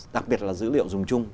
đặc biệt là dữ liệu dùng chung